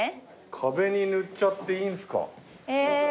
壁に塗っちゃっていいんすか？